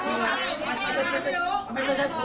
ก็พูดเป็นพี่